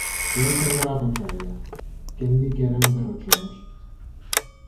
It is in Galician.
E hai quen leva a contraria, quen di que eran derrochóns!